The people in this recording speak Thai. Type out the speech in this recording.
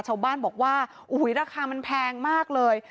ชาวบ้านบอกว่าราคามันแพงมากเลย